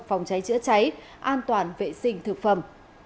phòng cháy chữa cháy an toàn vệ sinh thực phẩm